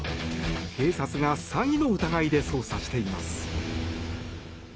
警察が詐欺の疑いで捜査しています。